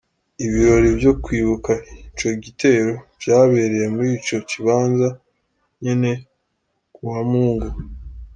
Ibirori vyo kwibuka ico gitero vyabereye muri ico kibanza nyene ku wa mungu.